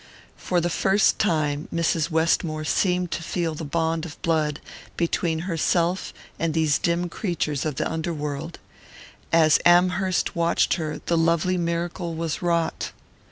For the first time Mrs. Westmore seemed to feel the bond of blood between herself and these dim creatures of the underworld: as Amherst watched her the lovely miracle was wrought.